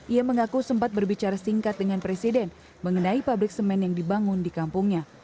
ia mengaku sempat berbicara singkat dengan presiden mengenai pabrik semen yang dibangun di kampungnya